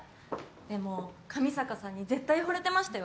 でも上坂さんに絶対惚れてましたよ